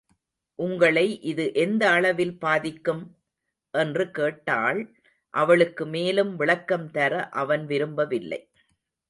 உங்களை இது எந்த அளவில் பாதிக்கும்? என்று கேட்டாள் அவளுக்கு மேலும் விளக்கம் தர அவன் விரும்ப வில்லை.